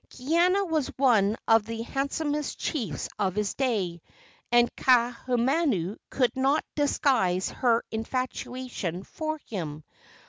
Kaiana was one of the handsomest chiefs of his day, and Kaahumanu could not disguise her infatuation for him.